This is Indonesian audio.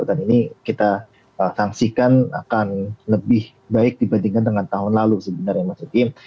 dan ini kita saksikan akan lebih baik dibandingkan dengan tahun lalu sebenarnya mas udhim